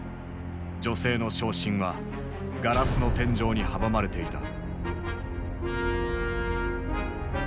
女性の昇進はガラスの天井に阻まれていた。